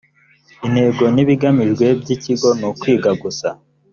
intego n ibigamijwe by ikigo nukwiga gusa